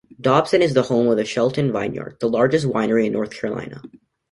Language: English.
Dobson is the home of the Shelton Vineyards, the largest winery in North Carolina.